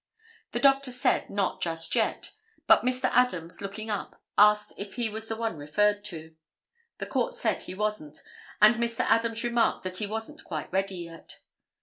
The doctor said not just yet, but Mr. Adams, looking up, asked if he was the one referred to. The Court said he wasn't, and Mr. Adams remarked that he wasn't quite ready yet.